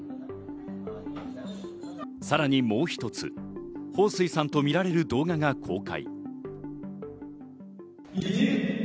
さらにもう一つ、ホウ・スイさんとみられる動画が公開。